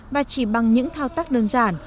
và chỉ bằng những thao tác đơn giản